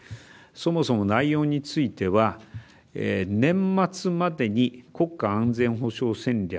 そもそも内容については年末までに国家安全保障戦略